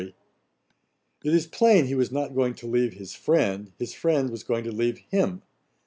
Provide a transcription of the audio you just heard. ] It is plain he was not going to leave his friend; his friend was going to leave him.